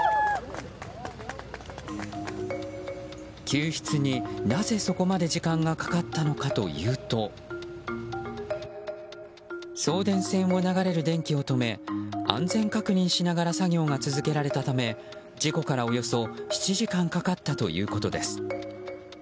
救出に、なぜそこまで時間がかかったのかというと送電線を流れる電気を止め安全確認しながら作業が続けられたため事故からおよそ７時間かかったということです。